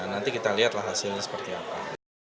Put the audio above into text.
nanti kita lihatlah hasilnya seperti apa